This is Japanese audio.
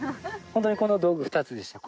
本当にこの道具２つでした。